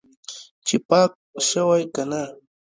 چې پاک شوی که نه.